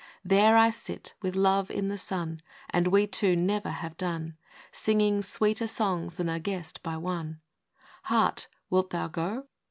There, I sit with Love in the sun, And we two never have done Singing sweeter songs than are guessed by oneT Heart, wilt thou go